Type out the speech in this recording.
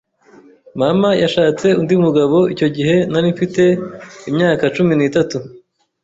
mama yashatse undi mugabo icyo gihe nari mfite imyakacumi nitatu